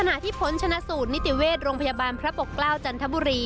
ขณะที่ผลชนะสูตรนิติเวชโรงพยาบาลพระปกเกล้าจันทบุรี